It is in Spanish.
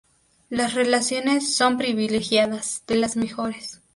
Las relaciones son privilegiadas, de las mejores".